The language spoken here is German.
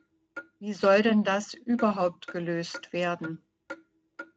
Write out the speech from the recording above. Wie soll denn das überhaupt gelöst werden?